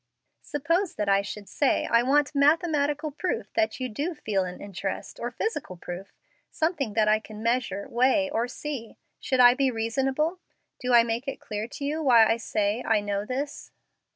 Suppose that I should say I want mathematical proof that you do feel an interest, or physical proof something that I can measure, weigh, or see should I be reasonable? Do I make it clear to you why I say I know this?"